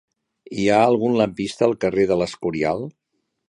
Hi ha algun lampista al carrer de l'Escorial?